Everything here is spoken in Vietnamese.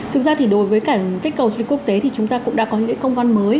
thực ra thì đối với cả kích cầu du lịch quốc tế thì chúng ta cũng đã có những công văn mới